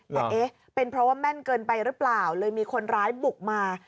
แต่เอ๊ะเป็นเพราะว่าแม่นเกินไปหรือเปล่าเลยมีคนร้ายบุกมา